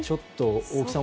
大木さん